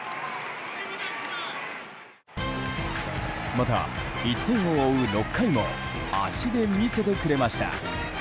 また１点を追う６回も足で見せてくれました。